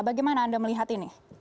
bagaimana anda melihat ini